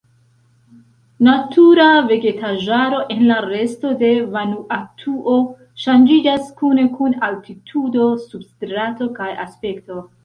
Natura vegetaĵaro en la resto de Vanuatuo ŝanĝiĝas kune kun altitudo, substrato, kaj aspekto.